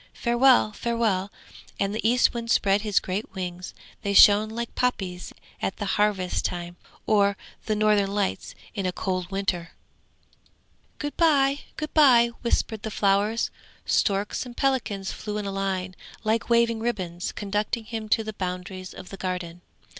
Farewell! Farewell!' And the Eastwind spread his great wings; they shone like poppies at the harvest time, or the Northern Lights in a cold winter. 'Good bye! good bye!' whispered the flowers. Storks and pelicans flew in a line like waving ribbons, conducting him to the boundaries of the Garden.